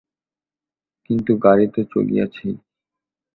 কিন্তু গাড়ি তো চলিয়াছেই।